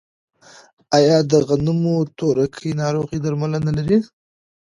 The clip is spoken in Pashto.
آیا د غنمو تورکي ناروغي درملنه لري؟